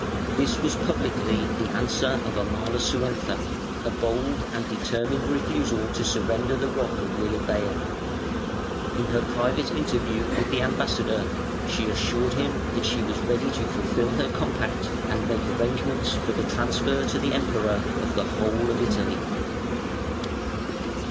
This was publicly the answer of Amalasuentha a bold and determined refusal to surrender the rock of Lilybæum. In her private interview with the ambassador, she assured him that she was ready to fulfil her compact and to make arrangements for the transfer to the Emperor of the whole of Italy.